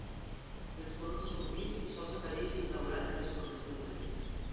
Els colors no són vius i sols apareix el daurat en les corones dels Reis.